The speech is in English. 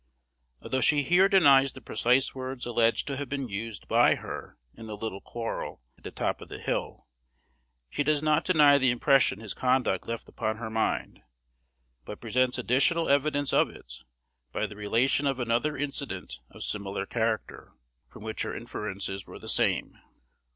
Although she here denies the precise words alleged to have been used by her in the little quarrel at the top of the hill, she does not deny the impression his conduct left upon her mind, but presents additional evidence of it by the relation of another incident of similar character, from which her inferences were the same.